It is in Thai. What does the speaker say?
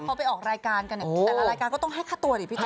แต่ละรายการก็ต้องให้ค่าตัวดิพี่แจ๊ก